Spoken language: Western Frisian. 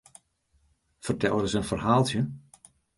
Fertel ris in ferhaaltsje?